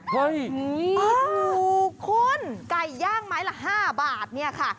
เฮ้ยอ๋อคุณไก่ย่างไม้ละ๕บาทเนี่ยค่ะ